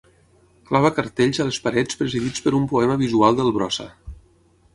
Clava cartells a les parets presidits per un poema visual del Brossa.